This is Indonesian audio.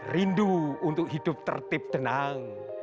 rindu untuk hidup tertib tenang